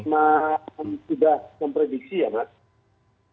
saya tidak memprediksi ya mas